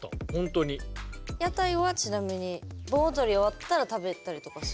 屋台はちなみに盆踊り終わったら食べたりとかする？